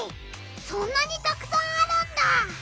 そんなにたくさんあるんだ！